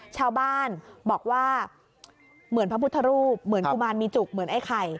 ชาวบ้านบอกว่าเหมือนพระพุทธรูปเหมือนกุมารมีจุกเหมือนไอ้ไข่